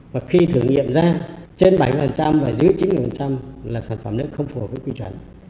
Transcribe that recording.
và khi thử nghiệm ra trên bảy mươi và dưới chín mươi là sản phẩm nước không phù hợp với quy truẩn